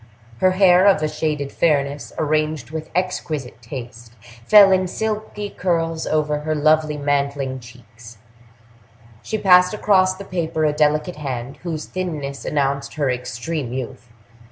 Her hair, of a shaded fairness, arranged with exquisite taste, fell in silky curls over her lovely mantling cheeks; she passed across the paper a delicate hand, whose thinness announced her extreme youth.